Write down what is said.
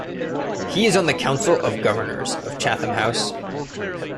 He is on the council of governors of Chatham House.